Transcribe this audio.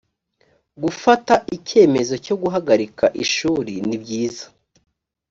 gufata icyemezo cyo guhagarikaishuri nibyiza